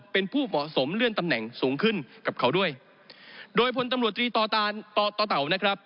เป็นผู้เหมาะสมเลื่อนตำแหน่งสูงขึ้นกับเขาด้วยโดยพลตำรวจตรีต่อต่อเต่านะครับ